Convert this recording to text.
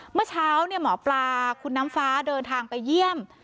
เมื่อเช้าหมอปลาคุณน้ำฟ้าเดินทางไปเยี่ยม